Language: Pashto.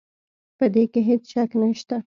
په دې کې هيڅ شک نشته